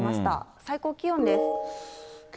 最高気温です。